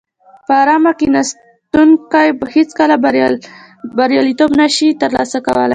په ارامه کیناستونکي هیڅکله بریالیتوب نشي ترلاسه کولای.